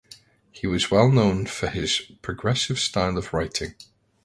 He was well known for his progressive style of writing.